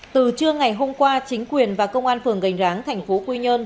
từ trưa ngày hôm qua chính quyền và công an phường gành ráng thành phố quy nhơn